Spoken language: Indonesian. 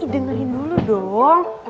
dengarin dulu dong